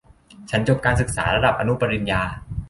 ฉันจบการศึกษาระดับอนุปริญญา